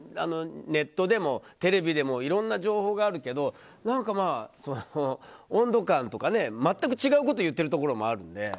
ネットでもテレビでもいろいろな情報があるけど温度感とか全く違うことを言っているところがあるので。